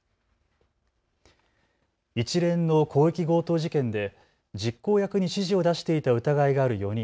一連の広域強盗事件で実行役に指示を出していた疑いがある４人。